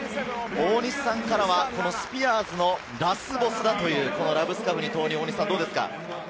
大西さんからはスピアーズのラスボスだというラブスカフニ投入です。